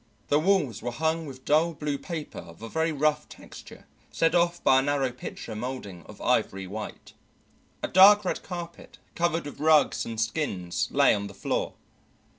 The walls were hung with dull blue paper of a very rough texture set off by a narrow picture moulding of ivory white. A dark red carpet covered with rugs and skins lay on the floor.